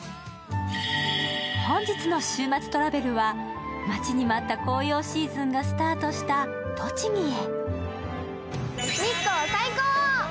本日の「週末トラベル」は待ちに待った紅葉シーズンがスタートした栃木へ。